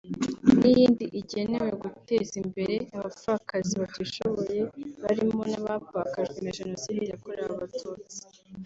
n’iyindi igenewe guteza imbere abapfakazi batishoboye barimo n’abapfakajwe na Jenoside yakorewe Abatutsi